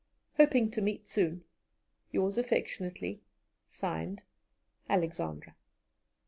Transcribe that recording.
Hoping to meet soon, "Yours affectionately, "(Signed) ALEXANDRA."